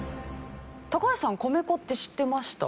橋さん米粉って知ってました？